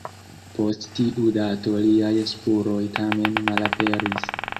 Post tiu dato liaj spuroj tamen malaperis.